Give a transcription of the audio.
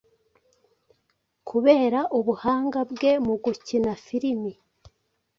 kubera ubuhanga bwe mu gukina filimi